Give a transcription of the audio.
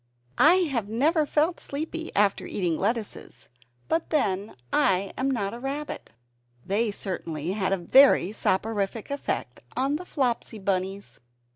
I have never felt sleepy after eating lettuces; but then I am not a rabbit. They certainly had a very soporific effect upon the Flopsy Bunnies!